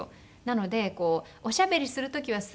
なのでおしゃべりする時はする。